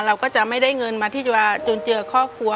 เราก็จะไม่ได้เงินมาที่จะจนเจอครอบครัว